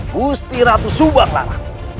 gusti ratu subaklara